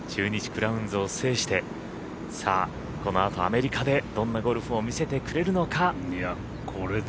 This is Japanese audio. クラウンズを制してさあ、このあとアメリカでどんなゴルフを見せてくれるのか。